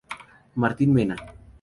Martín Mena.